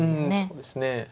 そうですね。